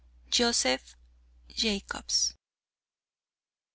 JOSEPH JACOBS.